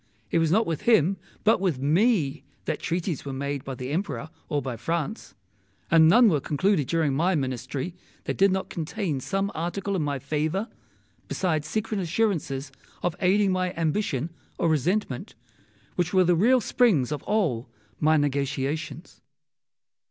It was not with him, but with me, that treaties were made by the Emperor or by France; and none were concluded during my Ministry that did not contain some Article in my favour, besides secret assurances of aiding my ambition or resentment, which were the real springs of all my negotiations.